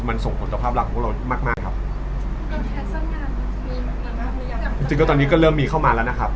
มันส่งผลต่อราบรักของเรามากครับ